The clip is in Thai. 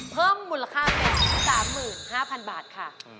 เพิ่มมูลค่าเป็น๓๕๐๐๐บาทค่ะ